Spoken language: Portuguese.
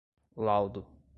laudo